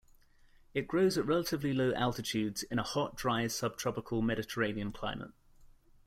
It grows at relatively low altitudes in a hot, dry subtropical Mediterranean climate.